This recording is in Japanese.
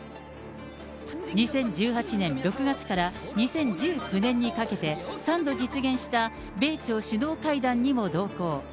２０１８年６月から２０１９年にかけて、３度実現した米朝首脳会談にも同行。